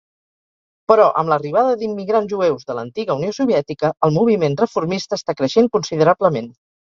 Però amb l'arribada d'immigrants jueus de l'antiga Unió Soviètica, el moviment reformista està creixent considerablement.